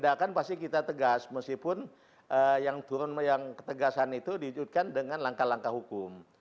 tidak akan pasti kita tegas meskipun yang ketegasan itu diikutkan dengan langkah langkah hukum